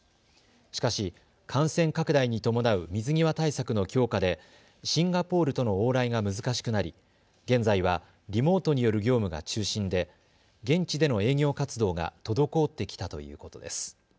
しかし、感染拡大に伴う水際対策の強化でシンガポールとの往来が難しくなり現在はリモートによる業務が中心で現地での営業活動が滞ってきたということです。